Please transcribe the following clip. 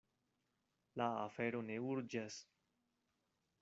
La afero ne urĝas.